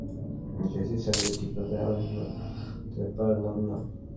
JC স্যারকে ঠিকভাবে আলিঙ্গনও করতে পারলাম না।